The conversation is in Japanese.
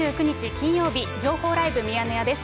金曜日、情報ライブミヤネ屋です。